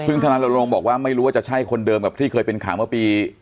ซึ่งธนาลงบอกว่าไม่รู้ว่าจะใช่คนเดิมกับที่เคยเป็นข่าวเมื่อปี